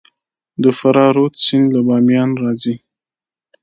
د فراه رود سیند له بامیان راځي